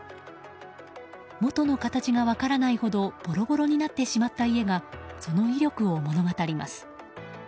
元の形が分からないほどボロボロになってしまった家がその威力を物語ります。